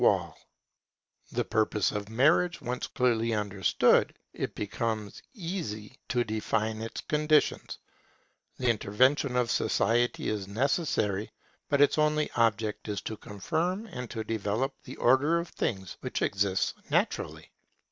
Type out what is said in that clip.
[Conditions of marriage. Indissoluble monogamy] The purpose of marriage once clearly understood, it becomes easy to define its conditions. The intervention of society is necessary; but its only object is to confirm and to develop the order of things which exists naturally.